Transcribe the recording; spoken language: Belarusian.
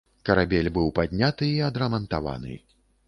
Карабель быў падняты і адрамантаваны.